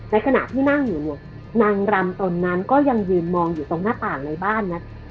ขณะที่นั่งอยู่เนี่ยนางรำตนนั้นก็ยังยืนมองอยู่ตรงหน้าต่างในบ้านนะ